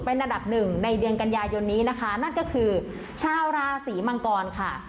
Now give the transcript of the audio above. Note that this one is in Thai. เป็นอันดับหนึ่งในเดือนกันยายนนี้นะคะนั่นก็คือชาวราศีมังกรค่ะ